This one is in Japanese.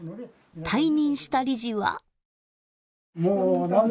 退任した理事は。